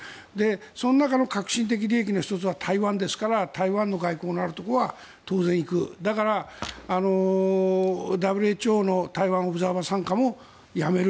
その中の核心的利益の１つは台湾ですから台湾と外交のあるところは当然行くだから、ＷＨＯの台湾オブザーバー参加もやめる。